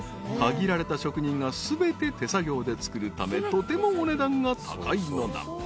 ［限られた職人が全て手作業で作るためとてもお値段が高いのだ］